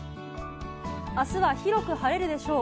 明日は広く晴れるでしょう。